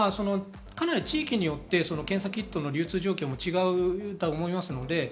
地域によって検査キットの流通状況も違うと思います。